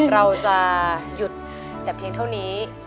เราจะหยุดแต่เพียงเท่านี้